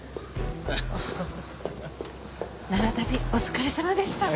長旅お疲れさまでした。